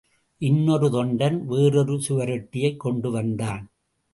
இன்னொரு தொண்டன், வேறொரு சுவரொட்டியைக் கொண்டுவந்தான்.